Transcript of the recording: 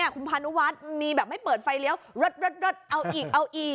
คุณพานุวัฒน์มีแบบไม่เปิดไฟเลี้ยวรถเอาอีกเอาอีก